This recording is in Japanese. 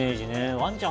ワンちゃん